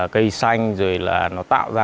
cây xanh rồi là nó tạo ra